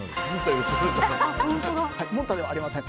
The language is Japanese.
もんたではありません。